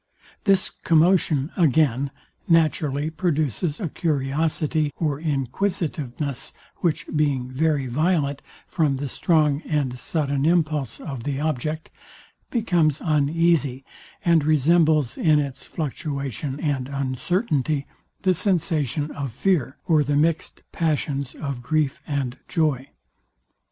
This commotion, again, naturally produces a curiosity or inquisitiveness, which being very violent, from the strong and sudden impulse of the object, becomes uneasy, and resembles in its fluctuation and uncertainty, the sensation of fear or the mixed passions of grief and joy.